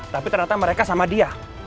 tapi ternyata mereka sama dia